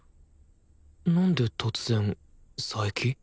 なんで突然佐伯？